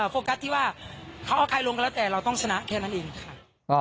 โฟกัสที่ว่าเขาเอาใครลงก็แล้วแต่เราต้องชนะแค่นั้นเองค่ะ